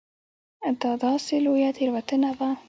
دا داسې لویه تېروتنه وه.